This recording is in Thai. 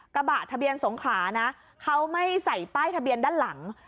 กระบะทะเบียนสงขานะเขาไม่ใส่ป้ายทะเบียนด้านหลัง